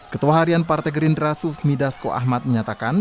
ketua harian partai gerindra sufmi dasko ahmad menyatakan